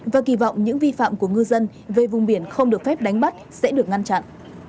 và kỳ vọng những vi phạm của ngư dân về vùng biển không được phép đánh bắt sẽ được ngăn chặn